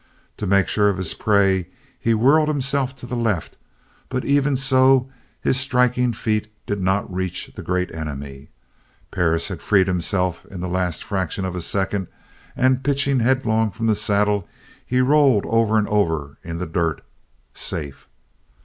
To make sure of his prey he whirled himself to the left, but even so his striking feet did not reach the Great Enemy. Perris had freed himself in the last fraction of a second and pitching headlong from the saddle he rolled over and over in the dirt, safe.